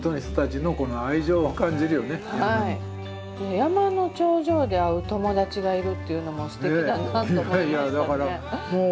山の頂上で会う友達がいるっていうのもすてきだなと思いましたね。